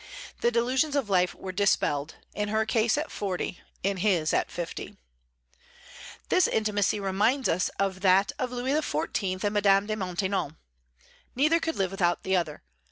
The delusions of life were dispelled, in her case, at forty; in his, at fifty. This intimacy reminds us of that of Louis XIV. and Madame de Maintenon. Neither could live without the other.